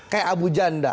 kayak abu janda